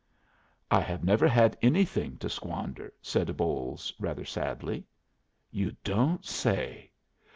"I have never had anything to squander," said Bolles, rather sadly. "You don't say!